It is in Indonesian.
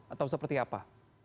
atau seperti apa